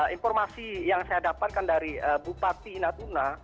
informasi yang saya dapatkan dari bupati natuna